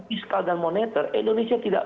ispal dan moneter indonesia tidak